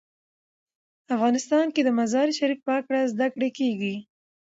افغانستان کې د مزارشریف په اړه زده کړه کېږي.